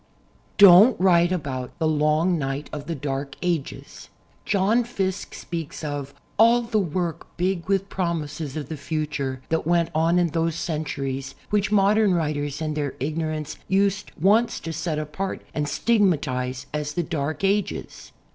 Don't write about '*the long night of the Dark Ages." U \2 TW RNT^' liTSTORICAT. "DONTS" John Fiske speaks uf "All the work big with promises of the future that went on in those centuries which modern writers in their ignorance used once to set apart and stig matize as the *Dark Ages.'